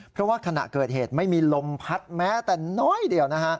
เพราะว่าขณะเกิดเหตุไม่มีลมพัดแม้แต่น้อยเดียวนะฮะ